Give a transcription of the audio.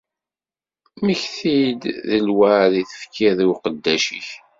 Mmekti-d d lweɛd i tefkiḍ i uqeddac-ik.